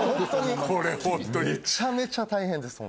ホントにめちゃめちゃ大変です。